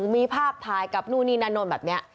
มีภาพภายกับนู่นีนานนท์แบบนี้